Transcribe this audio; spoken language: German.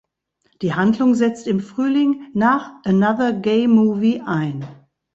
Die Handlung setzt im Frühling nach "Another Gay Movie" ein.